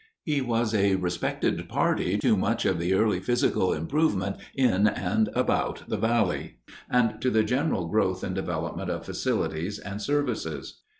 He was a respected party to much of the early physical improvement in and about the valley and to the general growth and development of facilities and services.